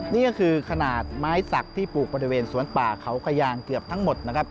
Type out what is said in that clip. นี่ก็คือขนาดไม้สักที่ปลูกบริเวณสวนป่าเขาขยางเกือบทั้งหมดนะครับ